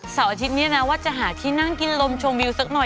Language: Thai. อาทิตย์นี้นะว่าจะหาที่นั่งกินลมชมวิวสักหน่อย